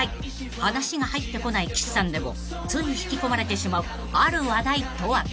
［話が入ってこない岸さんでもつい引き込まれてしまうある話題とは］